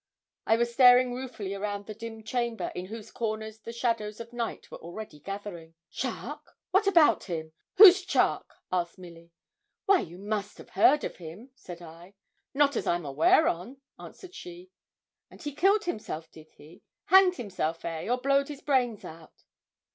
I was staring ruefully round the dim chamber, in whose corners the shadows of night were already gathering. 'Charke! what about him? who's Charke?' asked Milly. 'Why, you must have heard of him,' said I. 'Not as I'm aware on,' answered she. 'And he killed himself, did he, hanged himself, eh, or blowed his brains out?'